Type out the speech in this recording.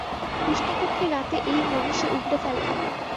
কৃষ্ণপক্ষের রাতে এই মণি সে উগরে ফেলে।